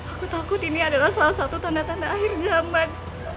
aku takut ini adalah salah satu tanda tanda akhir zaman